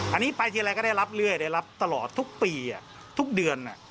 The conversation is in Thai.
อันนี้ไปทีไรก็ได้รับเรื่อยได้รับตลอดทุกปีทุกเดือน